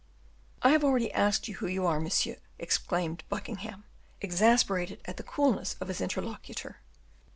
"I have already asked you who you are, monsieur," exclaimed Buckingham, exasperated at the coolness of his interlocutor.